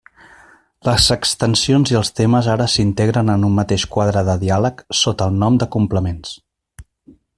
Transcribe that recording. Les extensions i el temes ara s'integren en un mateix quadre de diàleg, sota el nom de Complements.